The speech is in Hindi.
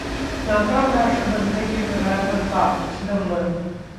नाकाम राष्ट्र बनने के कगार पर पाक: चिदंबरम